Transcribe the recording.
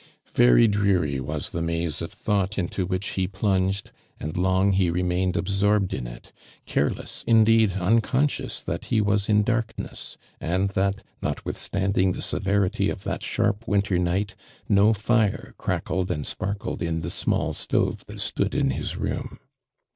Very dreary was the maze of thought into which he ])lunged, and long he re mained absorbed in it, careless, indeed un conscious that ho was in darkness, and that, notwithstanding the severity of that sharp winter night, no fire crackled and sparkled in the small stove that stood in his room.